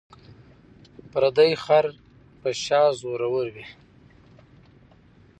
ـ پردى خر په شا زور ور وي.